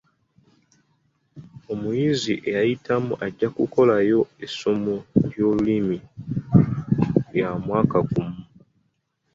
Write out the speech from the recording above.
Omuyizi eyayitamu ajja kukolayo essomo ly'olulimi lya mwaka gumu.